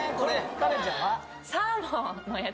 カレンちゃんは？